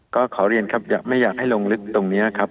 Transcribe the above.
ก็ขอเรียนครับไม่อยากให้ลงลึกตรงนี้ครับ